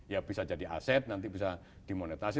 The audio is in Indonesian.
ya bisa jadi aset nanti bisa dimonetasi